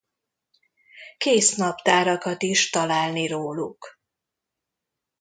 Kész naptárakat is találni róluk.